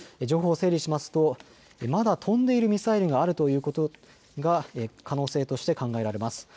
情報を整理しますとまだ飛んでいるミサイルがあるということが可能性として考えられます。